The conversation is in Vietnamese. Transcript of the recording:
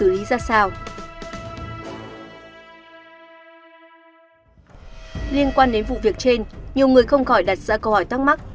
liên quan đến vụ việc trên nhiều người không khỏi đặt ra câu hỏi thắc mắc